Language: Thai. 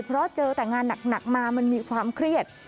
เพราะเจอแต่งานหนักมามันมีความเครียด